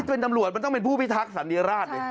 เป็นตำรวจมันต้องเป็นผู้พิทักษันติราช